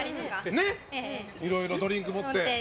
いろいろドリンク持って。